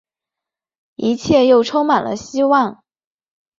一切又充满了希望